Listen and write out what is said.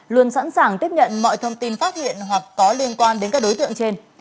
luôn sẵn sàng tiếp nhận mọi thông tin phát hiện hoặc có liên quan đến các đối tượng trên